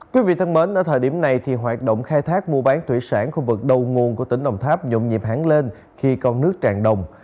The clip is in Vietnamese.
quý vị thân mến ở thời điểm này thì hoạt động khai thác mua bán thủy sản khu vực đầu nguồn của tỉnh đồng tháp nhộn nhịp hẳn lên khi con nước tràn đồng